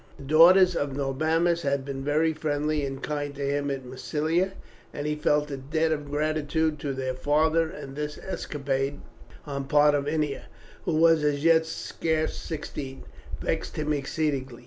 The daughters of Norbanus had been very friendly and kind to him at Massilia, and he felt a debt of gratitude to their father; and this escapade on the part of Ennia, who was as yet scarce sixteen, vexed him exceedingly.